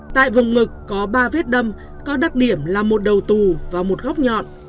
tại vùng ngực có ba vết đâm có đặc điểm là một đầu tù và một góc nhọn